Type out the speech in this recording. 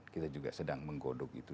kita juga sedang menggodok itu